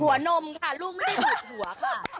ลูกดูดหัวนมค่ะลูกไม่ได้ดูดหัวค่ะ